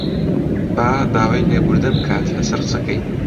با داوای لێبوردن بکات لەسەر قسەکەی